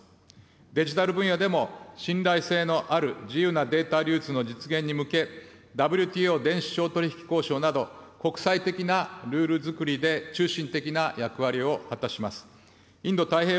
デジタル分野でも信頼性のある自由なデータ流通の実現に向け、ＷＴＯ電子取引交渉など国際的なルール作りで中心的な役割を果たします。